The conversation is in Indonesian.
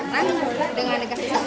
tapi karena dengan negatif sehari saja